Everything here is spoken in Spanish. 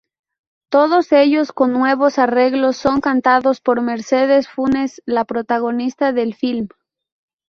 Todos ellos, con nuevos arreglos, son cantados por Mercedes Funes, la protagonista del film.